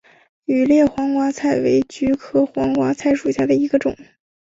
羽裂黄瓜菜为菊科黄瓜菜属下的一个种。